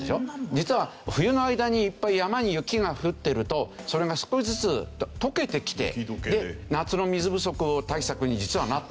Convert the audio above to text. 実は冬の間にいっぱい山に雪が降ってるとそれが少しずつ解けてきて夏の水不足対策に実はなってる。